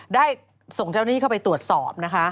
ได้ส่งเจ้าหน้าที่เข้าไปตรวจสอบนะคะ